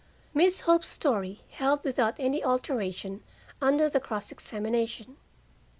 Miss Hope's story held without any alteration under the cross examination.